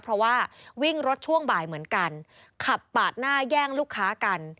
เพราะว่าวิ่งรถช่วงบ่ายเหมือนกันขับปาดหน้าแย่งลูกค้ากัน